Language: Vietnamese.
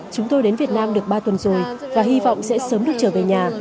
chúng tôi đến việt nam được ba tuần rồi và hy vọng sẽ sớm được trở về nhà